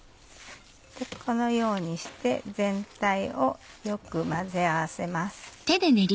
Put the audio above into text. このようにして全体をよく混ぜ合わせます。